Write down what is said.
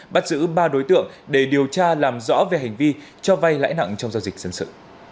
bắt giữ ba đối tượng để điều tra làm rõ về hành vi cho vay lãi nặng trong giao dịch dân sự